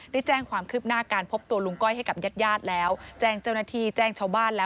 ได้แจ้งความคืบหน้าการพบตัวลุงก้อยให้กับญาติญาติแล้วแจ้งเจ้าหน้าที่แจ้งชาวบ้านแล้ว